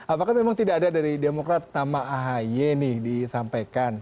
apakah memang tidak ada dari demokrat nama ahi nih disampaikan